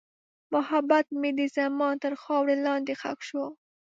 محبت مې د زمان تر خاورې لاندې ښخ شو.